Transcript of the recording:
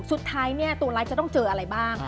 สุดท้ายเนี่ยตัวร้ายจะต้องเจออะไรบ้าง